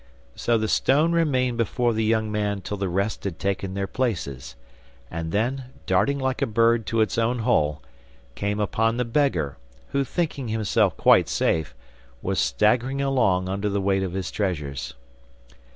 So the stone remained before the young man till the rest had taken their places, and then, darting like a bird to its own hole, came upon the beggar, who, thinking himself quite safe, was staggering along under the weight of his treasures.